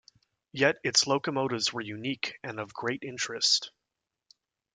Yet its locomotives were unique and of great interest.